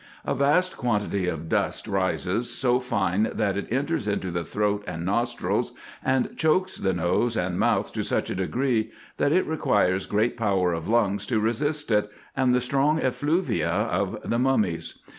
A vast quantity of dust rises, so fine that it enters into the throat and nostrils, and chokes the nose and mouth to such a degree, that it requires great power of lungs to resist it and the strong effluvia of the mummies.